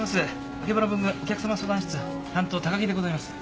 あけぼの文具お客様相談室担当高木でございます。